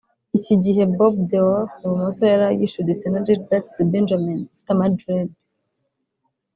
Iki gihe Bob Deol (ibumoso) yari agishuditse na Gilbert The Benjamin (ufite ama deredi)